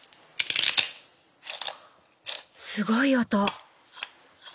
すごい音！